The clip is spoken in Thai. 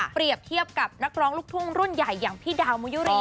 เปรียบเทียบกับนักร้องลูกทุ่งรุ่นใหญ่อย่างพี่ดาวมุยุรี